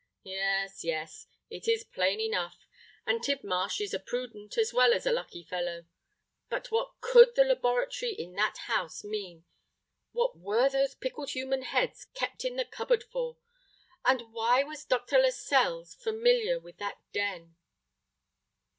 Yes—yes; it is plain enough—and Tidmarsh is a prudent as well as a lucky fellow! But what could the laboratory in that house mean? what were those pickled human heads kept in the cupboard for? and why was Dr. Lascelles familiar with that den?"